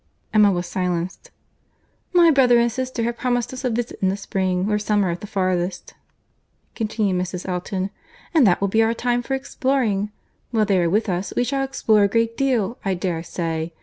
Emma was silenced. "My brother and sister have promised us a visit in the spring, or summer at farthest," continued Mrs. Elton; "and that will be our time for exploring. While they are with us, we shall explore a great deal, I dare say.